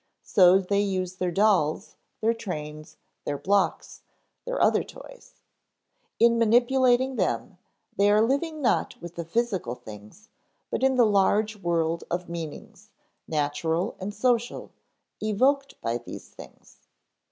So they use their dolls, their trains, their blocks, their other toys. In manipulating them, they are living not with the physical things, but in the large world of meanings, natural and social, evoked by these things.